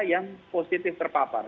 yang positif terpapar